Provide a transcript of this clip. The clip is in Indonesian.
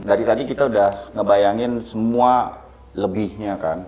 dari tadi kita udah ngebayangin semua lebihnya kan